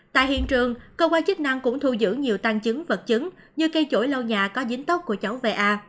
tại hiện trường cô qua chức năng cũng thu giữ nhiều tăng chứng vật chứng như cây chổi lâu nhà có dính tóc của cháu va